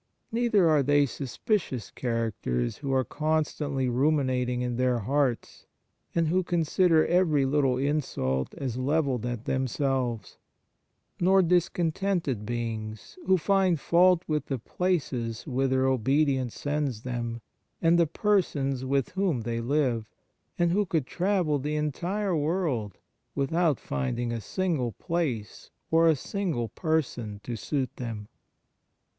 Neither are they suspicious characters who are constantly ruminating in their hearts, and who consider every little insult as levelled at themselves ; nor discontented beings, who find fault with the places whither obedience sends them and the persons with whom they live, and who could travel the entire world 19 c 2 Fraternal Charity without finding a single place or a single person to suit them.